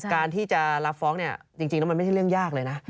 การที่จะรับฟ้องเนี่ยจริงแล้วมันไม่ใช่เรื่องยากเลยนะ